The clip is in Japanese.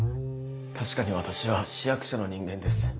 確かに私は市役所の人間です